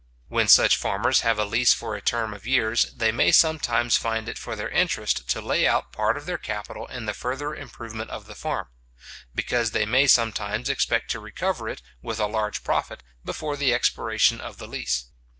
When such farmers have a lease for a term of years, they may sometimes find it for their interest to lay out part of their capital in the further improvement of the farm; because they may sometimes expect to recover it, with a large profit, before the expiration of the lease.